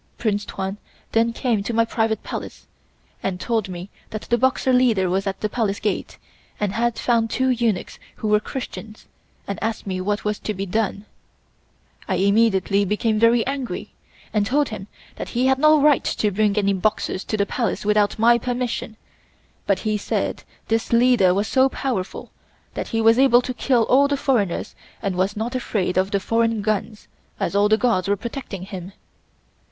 Prince Tuan then came to my private Palace and told me that the Boxer leader was at the Palace Gate and had found two eunuchs who were Christians and asked me what was to be done. I immediately became very angry and told him that he had no right to bring any Boxers to the Palace without my permission; but he said this leader was so powerful that he was able to kill all the foreigners and was not afraid of the foreign guns, as all the gods were protecting him.